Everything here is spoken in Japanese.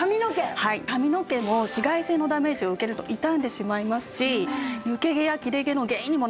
髪の毛も紫外線のダメージを受けると傷んでしまいますし抜け毛や切れ毛の原因にもなってしまうんですね。